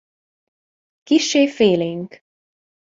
Kissé félénk.